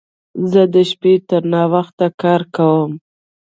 زه د شپې تر ناوخت کار کوم.